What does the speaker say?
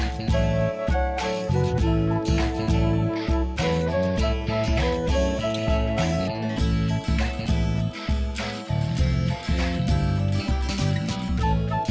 pada saat ini